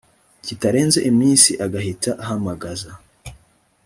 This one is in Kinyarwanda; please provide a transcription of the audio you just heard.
kitarenze iminsi agahita ahamagaza